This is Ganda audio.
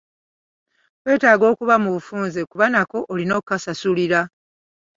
Weetaaga okuba mu bufunze kuba nako olina okukasasulira.